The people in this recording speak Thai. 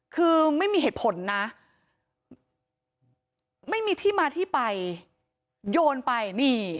คือไม่มีเหตุผลนะไม่มีที่มาที่ไปโยนไปนี่